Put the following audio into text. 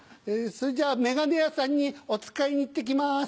それじゃ眼鏡屋さんにおつかいに行って来ます。